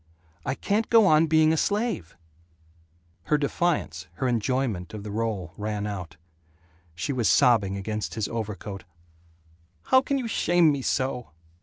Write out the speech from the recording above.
I can't go on being a slave " Her defiance, her enjoyment of the role, ran out. She was sobbing against his overcoat, "How can you shame me so?"